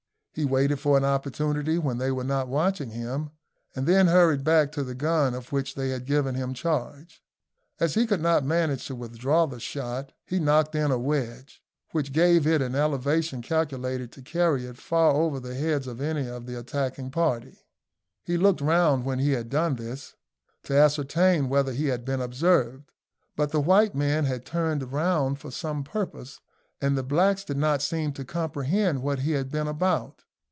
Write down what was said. He waited for an opportunity when they were not watching him, and then hurried back to the gun of which they had given him charge. As he could not manage to withdraw the shot, he knocked in a wedge, which gave it an elevation calculated to carry it far over the heads of any of the attacking party. He looked round when he had done this, to ascertain whether he had been observed, but the white men had turned round for some purpose, and the blacks did not seem to comprehend what he had been about.